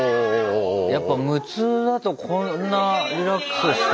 やっぱ無痛だとこんなリラックスして。